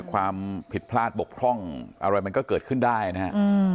ความผิดพลาดบกพร่องอะไรมันก็เกิดขึ้นได้นะครับ